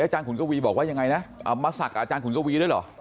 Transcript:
อาจารย์ขุนกระวีบอกว่ายังไงนะมาศักดิ์กับอาจารย์ขุนกระวีด้วยเหรอ